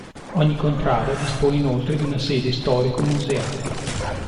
Ogni Contrada dispone inoltre di una sede storico-museale.